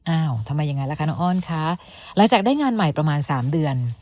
อ้าวทำไมยังไงล่ะคะน้องอ้อนคะหลังจากได้งานใหม่ประมาณ๓เดือน